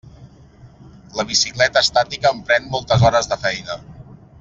La bicicleta estàtica em pren moltes hores de feina.